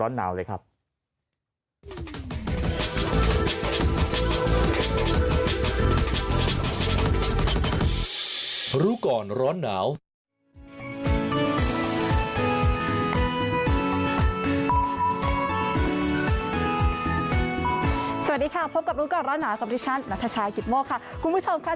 สวัสดีค่ะพบกับรู้ก่อนร้อนหนาวกับดิฉันนัทชายกิตโมกค่ะคุณผู้ชมค่ะ